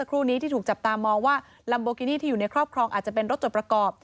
ครูนี้ที่ถูกจับตามองว่าลัมโบกินี่ที่อยู่ในครอบครองอาจจะเป็นรถจดประกอบ